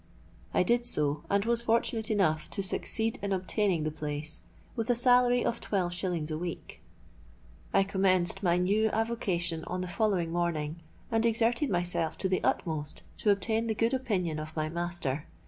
I did so, and was fortunate enough to succeed in obtaining the place, with a salary of twelve shillings a week. "I commenced my new avocation on the following morning, and exerted myself to the utmost to obtain the good opinion of my master.